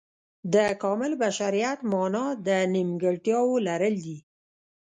د کامل بشریت معنا د نیمګړتیاو لرل دي.